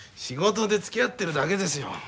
仕事でつきあってるだけですよ。